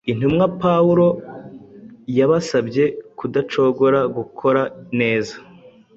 Intumwa Pawulo yabasabye kudacogora gukora neza,